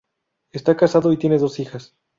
Está casado y tiene dos hijas.